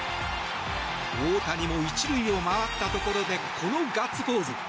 大谷も１塁を回ったところでこのガッツポーズ！